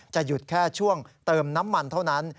หยุดแค่ช่วงเติมน้ำมันเท่านั้น